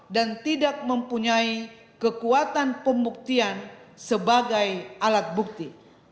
dan tidak mempunyai kekuatan pembuktian sebagai alat bukti